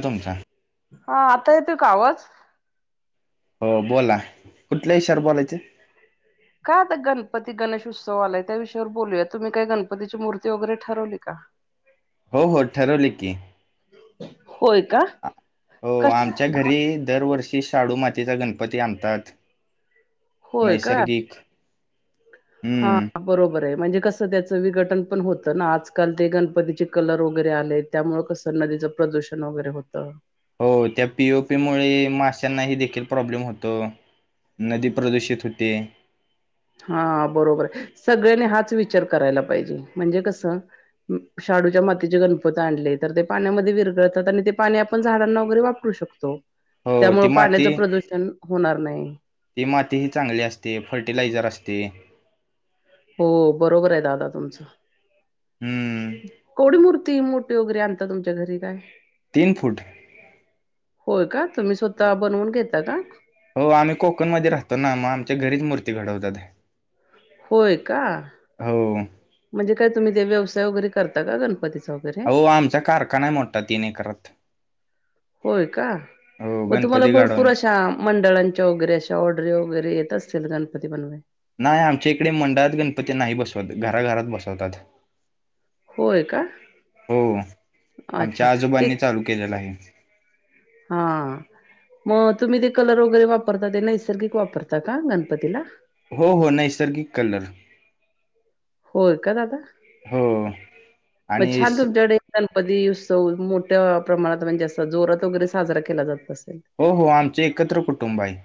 हो तुमचा हा आता येतू कावज हो बोला कुठल्या इशवर बोलायचे का आता गणपती गणेशोत्सव आलाय त्या विषयावर बोलूया तुम्ही काय गणपतीची मूर्ती वगैरे ठरवली का हो हो ठरवले की होय का हो कस आमच्या घरी दरवर्षी शाडू मातेचा गणपती आणतात होय का नैसर्गिक हा हम्म बरोबर आहे म्हणजे कसं त्याचं विघटन पण होतं ना आजकाल ते गणपतीचे कलर वगैरे आलेत त्यामुळ कसं नदीचं प्रदूषण वगैरे होत हो त्या पीओ पीमुळे माश्यांनाही देखील प्रॉब्लेम होतो नदी प्रदूषित होते हा बरोबर आहे सगळ्यांनी हाच विचार करायला पाहिजे म्हणजे कसं शाडूच्या मातीचे गणपत आणले तर ते पाण्यामध्ये विरगळतात आणि ते पाणी आपण झाडांना वगैरे वापर शकतो हो ती त्यामुळे माती पाण्याच प्रदूषण होणार नाही ती माती ही चांगली असते फर्टिलायझर असते हो बरोबर आहे दादा तुमचं हम्म कोडीमूर्ती किती मोठे वगरे आणता तुमच्या घरी काय तीन फुट होय का तुम्ही स्वतः बनवून घेता का हो आम्ही कोकणमध्ये राहतो ना मग आमच्या घरीच मूर्ती घडवतात होय का हो म्हणजे काय तुम्ही ते व्यवसाय वगैरे करता का गणपती हो आमचा कारखाना आहे मोठा तीन एकरात होय का हो मग तुम्हाला गणपती घडवून भरपूर अशा मंडळां वगरेशा ऑडरे वगैरे येत असतील गणपती बन नाही आमच्या इकडे मंडळात गणपती नाही बसवत घराघरात बसवतात होय का? हो अच्छा आमच्या ते आजोबांनी चालू केलेलं आहे हा मग तुम्ही ते कलर वगैरे वापरता ते नैसर्गिक वापरता का गणपतीला हो हो नैसर्गिक कलर होय का दादा हो मग आणि छान स- तुमच्याडे गणपती उत्सव मोठ्या प्रमाणात म्हणजे असं जोरात वगैरे साजरा केला जात असेल हो हो आमच एकत्र कुटुंब आहे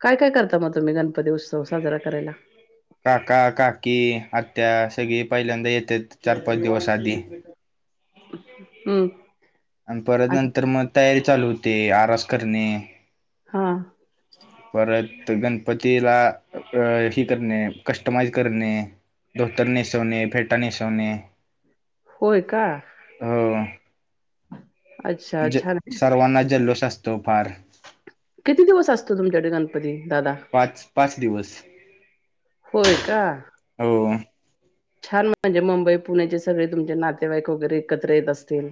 काय काय करता मग तुम्ही गणपती उत्सव साजरा करायला काका काकी आत्या सगळी पहिल्यांदा येते चार पाच दिवस आधी हम्म आणि परत नंतर मग तयारी चालू होते आरास करणे हा हम् [inaudible] परत गणपतीला अ हेि करणे कस्टमाइज करणे धोतरने सोने फेटाने सोने. होय का. अच्छा ज छान सर्वांना जल्लोष असतो फार. किती दिवस असतो तुमच्याडे गणपती दादा? पाच पाच दिवस होय का? हो. छान म्हणजे मुंबई पुण्याचे सगळे तुमचे नातेवाईक वगैरे एकत्र येत असतील.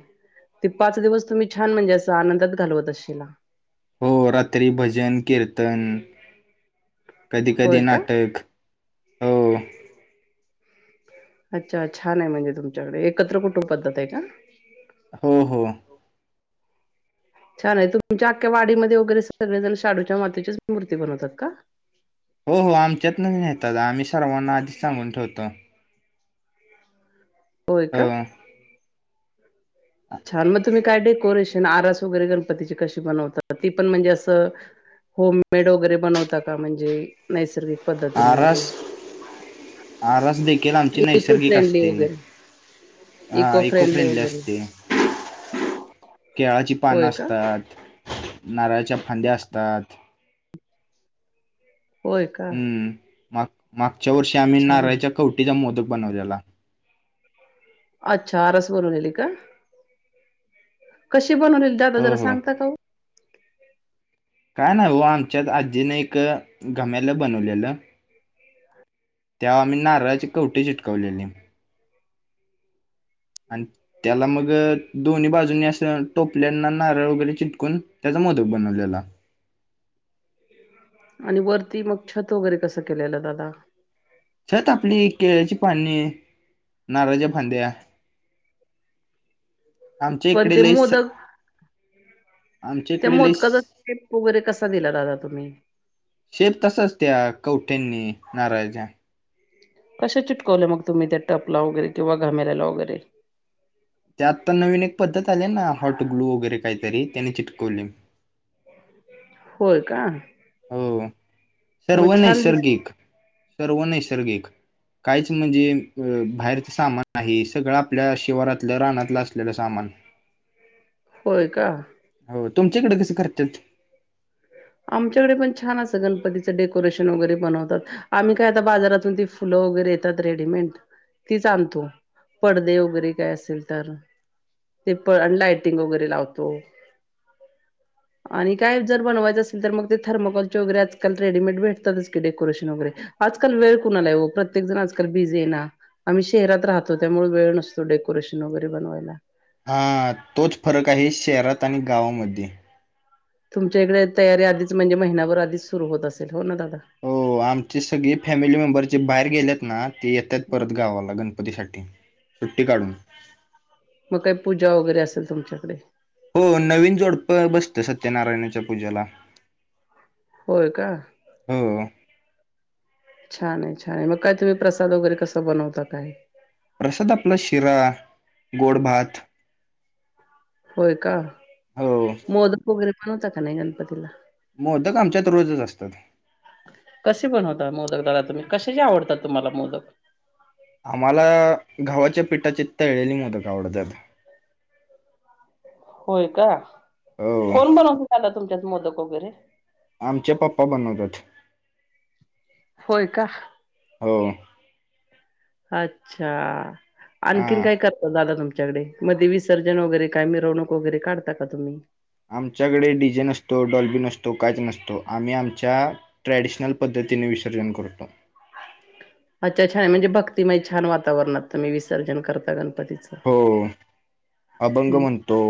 ते पाच दिवस तुम्ही छान म्हणजे असं आनंदात घालवत आशिला. हो रात्री भजन कीर्तन कधी होय कधी का? नाटक हो. अच्छा छान आहे म्हणजे तुमच्याकडे एकत्र कुटुंब पद्धत आहे का? हो हो. छान आहे तुमच्या आख्या वाडीमध्ये वगैरे सगळे जण शाडूच्या मातीचीच मूर्ती बनवतात का? हो हो आमच्यात नवीनेतात आम्ही सर्वांना आधीच सांगून ठेवतो. होय का? हो छान मग तुम्ही काय डेकोरेशन आरास वैरे कशी बनवत ती पण म्हणजे असं होम मेड वगैरे बनवता का म्हणजे नैसर्गिक पद्धतीनेवररे आरस देखील आमची इको नैसर्गिक फ्रेंडली असते. वगैरे हा इको फ्रेंडली असते. केळाची पानं होय का असतात. नारळाच्या फांद्या असतात. होय का. हम्म माग मागच्या वर्षी आम्ही छान आहे नारळाच्या कवटीचा मोदक बनवलेला. अच्छा आरस बनवलेली का? कशी बनवलेली दादा हो जरा हो सांगता का? काय नाही हो आमच्यात आजीने एक घम्याला बनवलेलं. तेव्हा आम्ही नारळाची कवटी चिटकवलेली. आणि त्याला मग दोन्ही बाजूनंनी असं टोपल्याना नारळ वगैरे चिटकून त्याचा मोदक बनवलेला. आणि वरती मग छत वगैरे कसं केलेलं दादा? छत आपली केळ्याची पाने नारळाच्या फांद्या. पण जीकडे ते लईच स मोदक आमच्या त्या इकडे लई मोदकाचा स्टेप वगैरे कसा दिला ददा तुम्ही? शेप तसाच त्या कवठ्यांनी नाराळाचय. कशा चीटकावलं मग तुम्ही त्या टपला वगैरे घमेल्याला वगैरे? त्या आत्ता नवीन एक पद्धत आली ना हॉट ग्लू वगैरे काहीतरी त्याने चिटकवली. होय का? हो सर्व मग छान दिस नैसर्गिक सर्व नैसर्गिक कायच म्हणजे अ बाहेरच सामान आहे सगळं आपल्या शिवारातलं रानातलं असलेलं सामान. होय का. हो तुमच्या इकडे कस करतात? आमच्याकडे पण छान असं गणपतीचं डेकोरेशन वगैरे बनवतात. आम्ही काय आता बाजारातून ती फुलं वगैरे येतात रेडीमेड. तीच आणतो पडदे वगैरे काय असेल तर ते पण लायटिंग वगैरे लावतो. आणि काय जर बनवायचं तर मग ते थर्माकोलचे वगैरे आजकाल रेडिमेट भेटतातच की डेकोरेशन वगैरे आजकाल वेळ कुणालाय ओ प्रत्येक जण आजकाल बिजे ना आम्ही शेरात राहतो त्यामुळे वेळ नसतो डेकोरेशन वगैरे बनवायला. आं तोच फरक आहे शेरात आणि गावामध्ये. तुमच्या इकडे तयारी आधीच म्हणजे महिनाभर आधीच सुरू होत असेल हो ना दादा? हो आमचे सगळी फॅमिली मेंबर जे बाहेर गेलेत ना ते येतात परत गावाला गण गणपती साठी सुट्टी काढून. मग काही पूजा वगैरे असेल तुमच्याकडे. हो नवीन जोडप बसतं सत्यनारायणाच्या पूजेला. होय का. [unintelligible] छानाय छाय मकाय तुम्ही प्रसाद वगैरे कसं बणवता काय. प्रसाद आपला शिरा गोड भात. होय का हो मोदक वगैरे बणवता का नाय गणपतीला. मोदक आमच्यात र. कसे बनवता मोदक दादा तुम्ही कश्याचे आवडतात तुम्हाला मोदक. आम्हाला घवाच्या पिठाचे त्तळेले मोदक आवडतात. होय का हो कोण बनवत [unintelligible] तुमच्यात मोदक वगैरे आमच्या पप्पा बनवतात. होय क्हा. [unintelligible] अच्छा आणखीन हा. काय कर ओ दादा तुमच्याकडे मदी विसर्जन वगैरे काय मिरवणूक वगैरे काढता का तुम्ही. आमच्याकडे डिजे नसतो डॉल्बी नसतो कायच नसतो आम्ही आमच्या. ट्रॅडिशनल पद्धतीने विथ सर्जन करतो. आच्चा छाय म्हणजे बकते मै छान वातावरणात तुम्ही विसर्जन करता गणपतीच. ओ अभंग म्हणतो.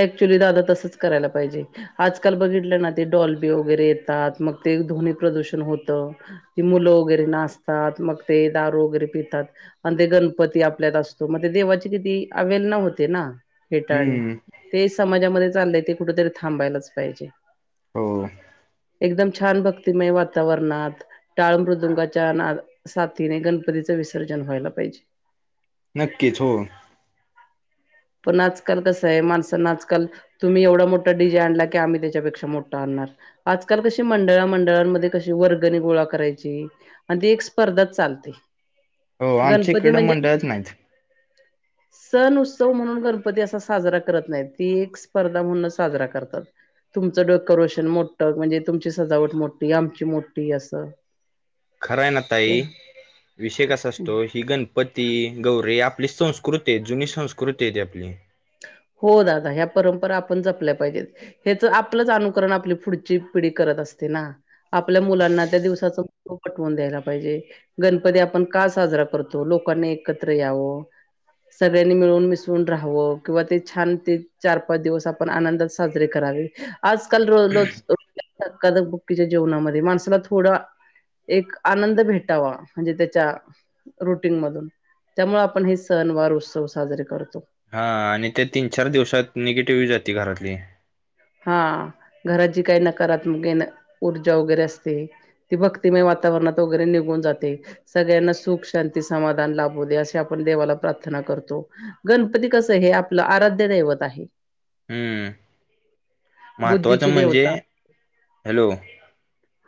एकच्युली दादा तसंच करायला पाहिजे. आजकाल बगिटलना ते डॉल्बी वगैरे येतात मग ते धोनी प्रदुषण होतं. ती मुलं वगैरे नासतात मग ते दारू वगैरे पितात. अन ते गणपती आपल्यात असतो म ते देवाची दिदी आवेलना होते ना. [unintelligible] हम्म ते समाज्यामदे चालय ते कुठतरी थांबायलाच पाहिजे. ओ. एगदम छान भक्तीमय वातावरणात. टाळ मृदंगाच्या नादा साथिने गणपतीचे विसर्जन व्हायला पाहिजे. नक्कीच हो. पण नाचकाल कसाय मान्स तण नाचकाल तुम्ही एवडा मोठा डिजे आनला की आम्ही तेच्या पेक्षा मोठा आन्नार. आजकाल कशी मंडळा मंडळांमध्ये कशी वर्गणी गोळा करायची. [unintelligible] एक स्पर्धा चालते. ओ गणपती आमचेकड म्हणजे मंडळच नाहीत. सण उत्सव म्हणून गणपती असा साजरा करत नाहीत ती एक स्पर्धा म्हणूनच साजरा करतात. तुमचं [unintelligible] मोठं म्हणजे तुमची सजावट मोठी आमची मोठी असं. खरं हाय ना ताई विषय कसा असतोय ही गण पती गौरीे आपली संस्कृती हाय जुनी संस्कृती हाय ती आपली. हो दादा ह्या परंपरा आपण जपल्या पाहिजेत. हेचं आपलंच अनुकरण आपली पुढची पिढी करत असते ना. आपल्या मुलांना त्या दिवसाचं [unintelligible] पटवून द्यायला पाहिजे. गणपती आपण का साजरा करतो लोकांनी एकत्र यावं. सगळ्यांनी मिळून मिसळून राहवं. किंवा ते छान ते चार पाच दिवस आपण आनंदात साजरे करावे आजकाल [unintelligible] [unintelligible] बुक्कीच्या जेवणामध्ये माणसाला थोडा एक आनंद भेटावा म्हणजे त्याच्या रुटीन मधून. त्यामुळे आपण हे सण वार उत्सव साजरे करतो. हा आणि ते तीन चार दिवसात निगेटिव्ही जाती घरातली. हां घरात जी काही [unintelligible] ऊर्जा वगैरे असते. ती भक्तिमय वातावरणात वगेरे निघून जाते. सगळ्यांना सुख शांती समाधान लाभू दे अशी आपण देवाला प्रार्थना करतो. गणपती कसं हे आपलं आराध्य दैवत आहे. महत्वाचं बुद्धीची म्हणजे देवता हॅलो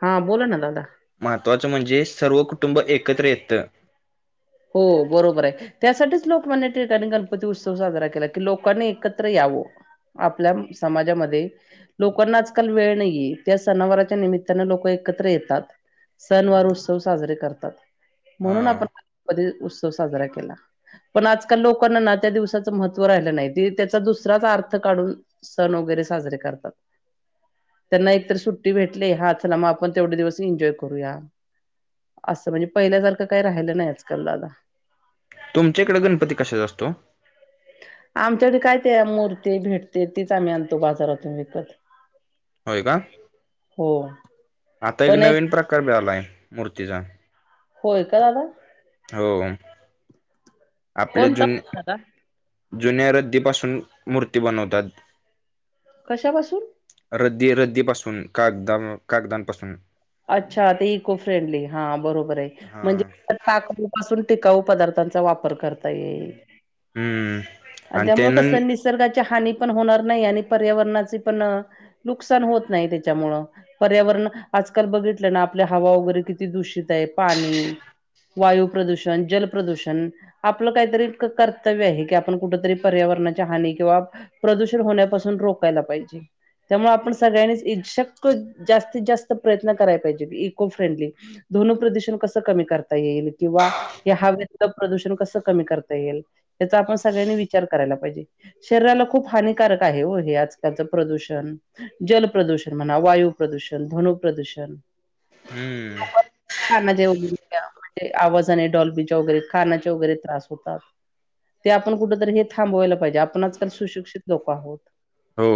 हा बोला ना दादा. महत्वाचं म्हणजे सर्व कुटुंब एकत्र येतं. हो बरोबर आहे. त्यासाठीच लोकमान्य टिळकाणी गणपती उत्सव साजरा केला की लोकांनी एकत्र यावं. आपल्या समाजामध्ये. लोकांना आजकाल वेळ नाहीये त्या सनावराच्या निमित्तानं लोक एकत्र येतात. सन वार उत्सव साजरे करतात म्हणून हा आपण गणपतीचा उत्सव साजरा केला. पण आजकाल लोकांना ना त्या दिवसाचं महत्त्व राहिलं नाही ते त्याचा दुसराच अर्थ काढून सण वगैरे साजरे करतात. त्यांना एक तर सुट्टी भेटते हा चला मग आपण तेवढे दिवस एन्जॉय करूया. असं म्हणजे पहिल्यासारखं काही राहिलं नाही आजकाल दादा. तुमच्या इकडे गणपती कशाचा असतो. आमच्याकडे काय ते मूर्ती भेटते तीच आम्ही आणतो बाजारातून विकत. होय का. हो. आता एक नवीन प्रकार बी आलाय मूर्तीचा. होय का दादा. हो. आपले कोणता जून दादा जुन्या रद्दीपासून मूर्ती बनवतात. कशापासून? रद्दी रद्दीपासून कागदा कागदांपासून. अच्छा ते इको फ्रेंडली हा बरोबर आहे हा म्हणजे टाकाऊ पासून टिकाऊ पदार्थांचा वापर करता येईल. हम्म अन् आणि त्यामुळं त्यान कसं निसर्गाची हानी पण होणार नाही आणि पर्यावरणाची पण नुकसान होत नाही त्याच्यामुळ. पर्यावरण आज आजकाल बघितलं ना आपल्या हवा वगैरे किती दूषित आहे पाणी. वायु प्रदूषण जल प्रदूषण. आपलं काहीतरी कर्तव्य आहे की आपण कुठेतरी पर्यावरणाच्या हानी किंवा प्रदूषण होण्यापासून रोकायला पाहिजे. त्यामुळे आपण सगळ्यांनीच् शक्य जास्तीत जास्त प्रयत्न करायला पाहिजेत इको फ्रेंडली. ध्वनी प्रदूषण कसं कमी करता येईल किंवा या हव्यातलं प्रदूषण कसं कमी करता येईल. त्याचा आपण सगळ्यांनी विचार करायला पाहिजे. शरीराला खूप हानिकारक आहे हो हे आजकालचं प्रदूषण. जल प्रदूषण म्हणा वायु प्रदूषण ध्वनी प्रदूषण. हम्म लोक कानाचे वग म्हणजे आवाजाने डॉलबीच्या वगैरे कानाचे वगैरे त्रास होतात. ते आपण कुठंतरी हे थांबवायला पाहिजे आपण आजकाल सुशिक्षित लोक आहोत. हो.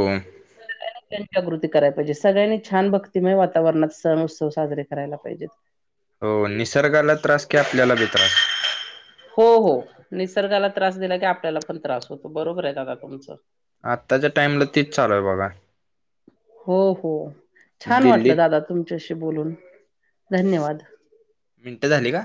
सगळ्यांनी जनजागृती करायला पाहिजे सगळ्यांनी छान भक्तीमय वातावरण वातावरणात सण उत्सव साजरे करायला पाहिजेत. हो निसर्गाला त्रास कि आपल्याला बी त्रास. हो हो निसर्गाला त्रास दिला की आपल्याला पण त्रास होतो बरोबर आहे दादा तुमचं. आत्ताच्या टाइमला तीच चालूय बघा. हो हो छान वाटलं दिल्लीत दादा तुमच्याशी बोलून धन्यवाद. मिनटं झाली का?